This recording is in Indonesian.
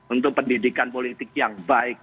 untuk pendidikan politik yang baik